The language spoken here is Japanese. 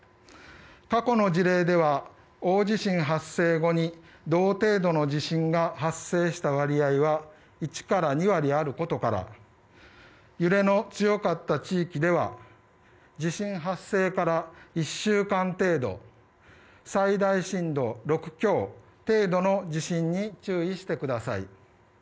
過去の事例では大地震発生後に同程度の地震が発生した割合は１から２割あることから揺れの強かった地域では地震発生から１週間程度、最大震度６強程度の地震に注意してください。